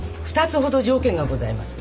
２つほど条件がございます。